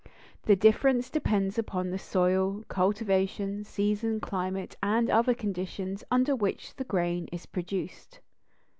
This difference depends upon the soil, cultivation, season, climate, and other conditions under which the grain is produced.